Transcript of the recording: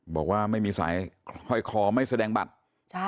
บอกว่าไม่มีสายห้อยคอไม่แสดงบัตร